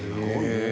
へえ。